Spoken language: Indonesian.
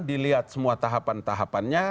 dilihat semua tahapan tahapannya